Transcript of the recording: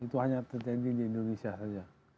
itu hanya terjadi di indonesia saja